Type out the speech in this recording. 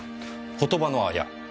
言葉のあや？